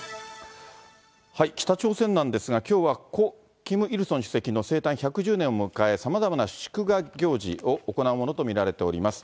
北朝鮮なんですが、きょうは故・キム・イルソン主席の生誕１１０年を迎え、さまざまな祝賀行事を行うものと見られております。